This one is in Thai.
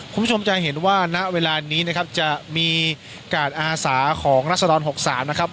คุณผู้ชมจะเห็นว่าณเวลานี้นะครับจะมีการอาสาของรัศดร๖๓นะครับ